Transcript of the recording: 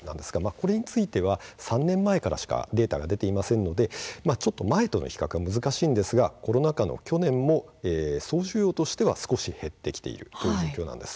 これについては３年前からしかデータが出ていませんので少し前との比較は難しいんですがコロナ禍の去年も総需要としては少し減ってきているという状況です。